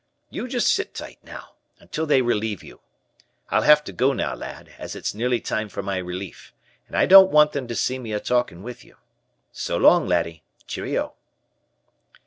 You just sit tight now until they relieve you. I'll have to go now, lad, as it's nearly time for my relief, and I don't want them to see me a talkin' with you. So long, laddie, cheero."